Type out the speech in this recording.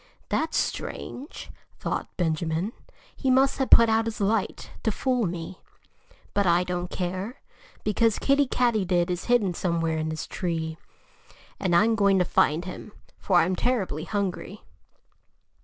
"That's strange!" thought Benjamin. "He must have put out his light, to fool me. But I don't care, because Kiddie Katydid is hidden somewhere in this tree. And I'm going to find him for I'm terribly hungry."